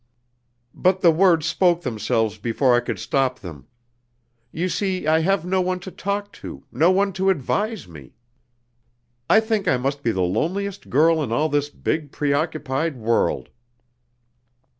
"But the words spoke themselves before I could stop them. You see, I have no one to talk to no one to advise me. I think I must be the loneliest girl in all this big preoccupied world."